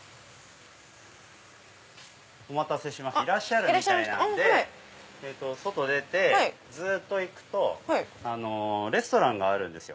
お待たせしましたいらっしゃるみたいなので外出てずっと行くとレストランがあるんですよ